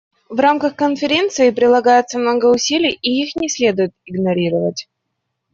В рамках Конференции прилагается много усилий, и их не следует игнорировать.